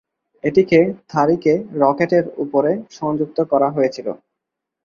এটিকে তারিখে রকেটের উপরে সংযুক্ত করা হয়েছিল।